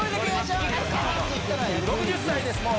６０歳ですもう。